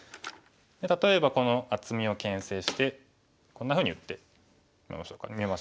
例えばこの厚みをけん制してこんなふうに打ってみましょうかね。